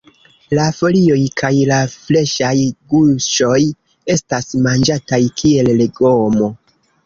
La folioj kaj la freŝaj guŝoj estas manĝataj kiel legomo.